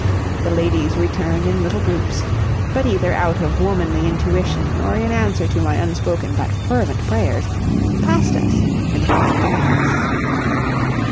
The ladies returned in little groups, but either out of womanly intuition or in answer to my unspoken but fervent prayers, passed us and went into the house.